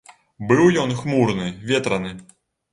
Быў ён хмурны, ветраны.